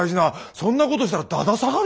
そんなことしたらだだ下がりだぞ？